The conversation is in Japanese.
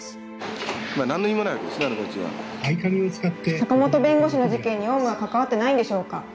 坂本弁護士の事件にオウムは関わってないんでしょうか？